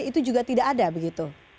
itu juga tidak ada begitu